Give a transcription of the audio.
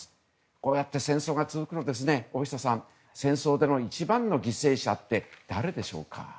こうやって戦争が続くと大下さん、戦争での一番の犠牲者って誰でしょうか。